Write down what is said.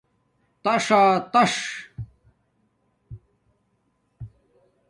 تاݽاتݽ